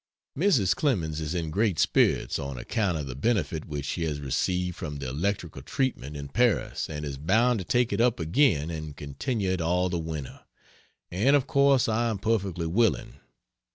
Mrs. Clemens is in great spirits on, account of the benefit which she has received from the electrical treatment in Paris and is bound to take it up again and continue it all the winter, and of course I am perfectly willing.